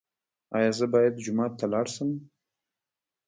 ایا زه باید جومات ته لاړ شم؟